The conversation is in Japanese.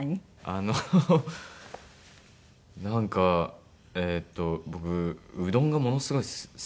あのなんかえっと僕うどんがものすごい好きでちっちゃい頃から。